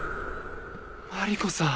マリコさん。